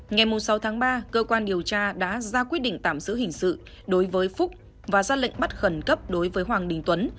ngày sáu tháng ba cơ quan điều tra đã ra quyết định tạm giữ hình sự đối với phúc và ra lệnh bắt khẩn cấp đối với hoàng đình tuấn